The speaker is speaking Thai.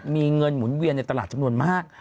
มีเงินหมุนเวียนในตลาดจำนวนมาก